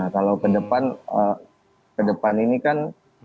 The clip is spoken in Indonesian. kalau ke depan ke depan ini kan